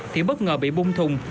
thì bất ngờ bị bung thùng